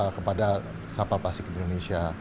kepada sampah plastik di indonesia